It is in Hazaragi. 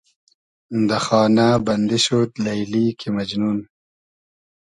دۂ خانۂ بئندی شود لݷلی کی مئجنون